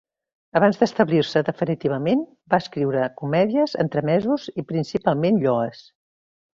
Abans d'establir-se definitivament, va escriure comèdies, entremesos i principalment lloes.